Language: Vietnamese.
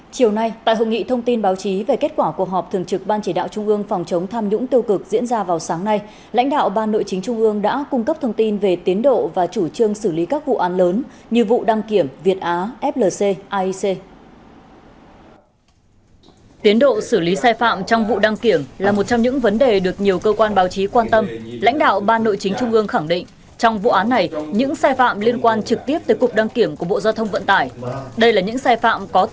chiều nay tại hội nghị thông tin báo chí về kết quả cuộc họp thường trực ban chỉ đạo trung ương phòng chống tham nhũng tiêu cực diễn ra vào sáng nay lãnh đạo ban nội chính trung ương đã cung cấp thông tin về tiến độ và chủ trương xử lý các vụ án lớn như vụ đăng kiểm việt á flc aic